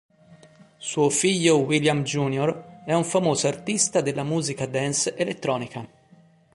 Suo figlio William jr. è un famoso artista della musica dance elettronica.